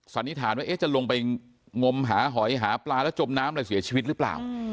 สันนิษฐานว่าจะลงไปงมหาหอยหาปลาแล้วจมน้ำอะไรเสียชีวิตหรือเปล่า